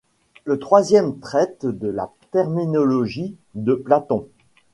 Le troisième traite de la terminologie de Platon.